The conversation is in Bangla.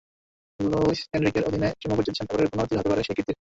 লুইস এনরিকের অধীনেও ত্রিমুকুট জিতেছেন, এবারও পুনরাবৃত্তি হতে পারে সেই কীর্তির।